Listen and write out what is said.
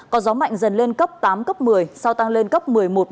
có gió mạnh dần lên cấp tám cấp một mươi sau tăng lên cấp một mươi một một mươi hai